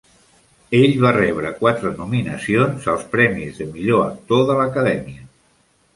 Ell va rebre quatre nominacions als premis de millor actor de l'Acadèmia.